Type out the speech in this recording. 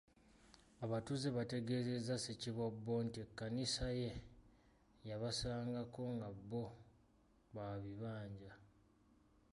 Abatuuze bategeezezza Ssekiboobo nti Ekkanisa ye yabasangako nga bbo ba bibanja.